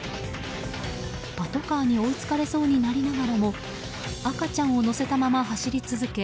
パトカーに追いつかれそうになりながらも赤ちゃんを乗せたまま走り続け